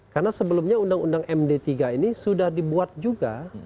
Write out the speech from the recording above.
karena sebelumnya undang undang md tiga ini sudah dibuat juga